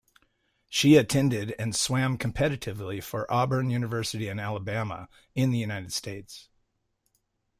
She attended and swam competitively for Auburn University in Alabama, in the United States.